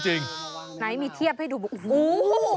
ไหนมีเทียบให้ดูเป็น